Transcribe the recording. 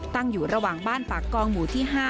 ตั้งอยู่ระหว่างบ้านปากกองหมู่ที่๕